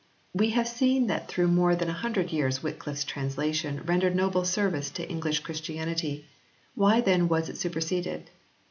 We have seen that through more than a hundred years Wycliffe s translation rendered noble service to English Christianity Why then was it superseded